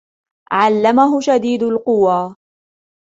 عَلَّمَهُ شَدِيدُ الْقُوَى